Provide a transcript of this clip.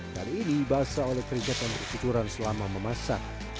kali ini basah oleh keriget yang berkecukuran selama memasak